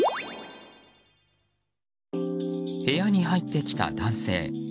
部屋に入ってきた男性。